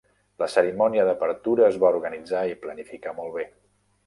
La cerimònia d'apertura es va organitzar i planificar molt bé.